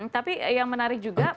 tapi yang menarik juga